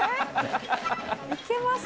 いけます？